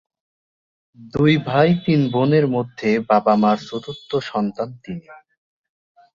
দুই ভাই তিন বোনের মধ্যে মা-বাবার চতুর্থ সন্তান তিনি।